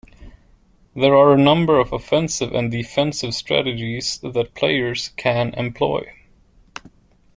There are a number of offensive and defensive strategies that players can employ.